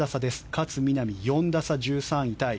勝みなみ、４打差、１３位タイ。